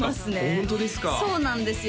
ホントですかそうなんですよ